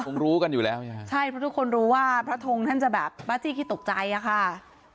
คงรู้กันอยู่แล้วใช่เพราะทุกคนรู้ว่าพระทงท่านจะแบบตกใจอ่ะค่ะ